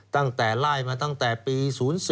ตั้งแต่ไล่มาตั้งแต่ปี๐๔